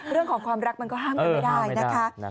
เรื่องของความรักมันก็ห้ามกันไม่ได้นะคะ